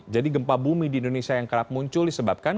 jadi gempa bumi di indonesia yang kerap muncul disebabkan